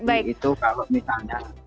jadi itu kalau misalnya